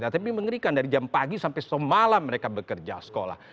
tapi mengerikan dari jam pagi sampai semalam mereka bekerja sekolah